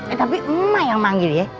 eh tapi emak yang manggil ya